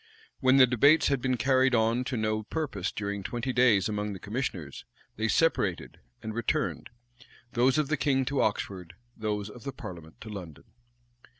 When the debates had been carried on to no purpose during twenty days among the commissioners, they separated, and returned; those of the king to Oxford, those of the parliament to London.